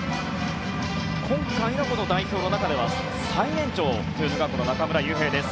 今回の代表の中では最年長の中村悠平。